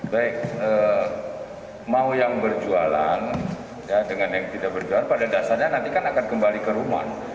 baik mau yang berjualan dengan yang tidak berjualan pada dasarnya nanti kan akan kembali ke rumah